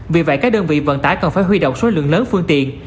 vì vậy các đơn vị vận tải cần phải huy động số lượng lớn phương tiện